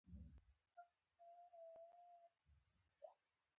ځغاسته د ځواک ښودنه ده